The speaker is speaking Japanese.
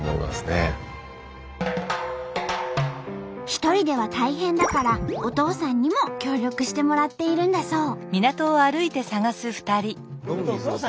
一人では大変だからお父さんにも協力してもらっているんだそう。